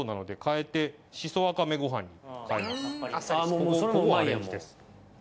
ここはアレンジです